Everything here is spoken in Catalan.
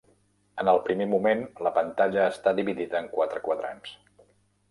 En el primer moment la pantalla està dividida en quatre quadrants.